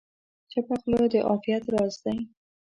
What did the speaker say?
چپه خوله، د عافیت راز دی.